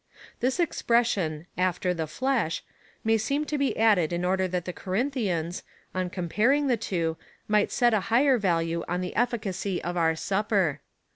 This expression after the flesh, may seem to be added in order tliat the Corinthians, on comparing the two, might set a higher value on the efficacy of our Supper.